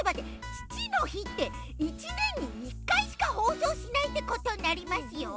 ちちのひって１ねんに１かいしかほうそうしないってことになりますよ。